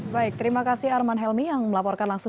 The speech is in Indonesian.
baik terima kasih arman helmi yang melaporkan langsung